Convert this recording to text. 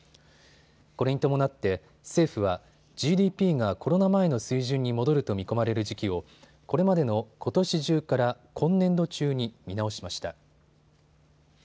これに伴って政府はＧＤＰがコロナ前の水準に戻ると見込まれる時期をこれまでのことし中から今年度中に見直しました。